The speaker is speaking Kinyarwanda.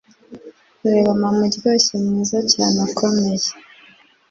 Reba mama uryoshye mwiza cyane ukomeye